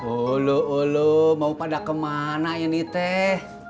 ulu ulu mau pada kemana ya niteh